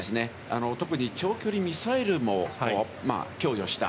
特に長距離ミサイルも供与した。